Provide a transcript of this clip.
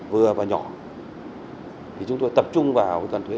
đưa vào nhỏ thì chúng tôi tập trung vào quyết toán thuế